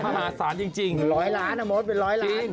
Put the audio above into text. มหาศาลจริงร้อยล้านนะมดเป็นร้อยล้าน